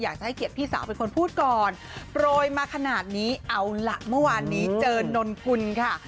อยากจะให้เกียรติพี่สาวเป็นคนพูดก่อนโปรยมาขนาดนี้เอาล่ะเมื่อวานนี้เจอนนพุนค่ะ